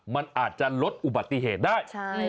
มันอาจจะลดอุบัติเหตุได้